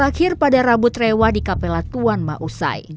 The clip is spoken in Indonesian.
doa terakhir pada rabu trewa di kapela tuan mausai